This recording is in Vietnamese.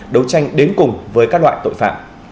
đấu tranh đến cùng với các loại tội phạm